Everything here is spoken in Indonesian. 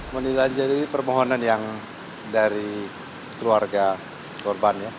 menilai jadi permohonan yang dari keluarga korban